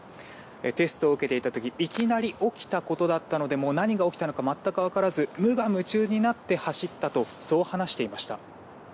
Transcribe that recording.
テストを受けていた時いきなり起きたことだったので何が起きたのか全く分からず無我夢中になって走ったと話していました。